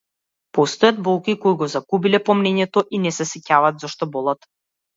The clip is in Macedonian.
Постојат болки кои го загубиле помнењето и не се сеќаваат зошто болат.